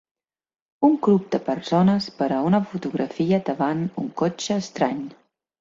Un grup de persones per a una fotografia davant un cotxe estrany.